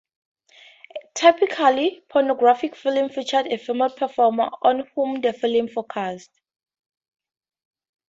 A typical pornographic film featured a female performer on whom the film focused.